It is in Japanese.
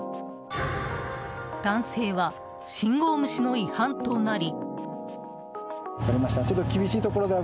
男性は信号無視の違反となり。